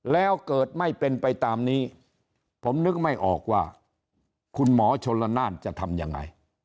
แล้วเกิดไม่เป็นไปตามนี้ผมนึกไม่ออกว่าคุณหมอชนละนานจะทำยังไง